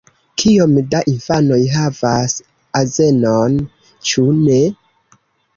Kiom da infanoj havas azenon? Ĉu ne?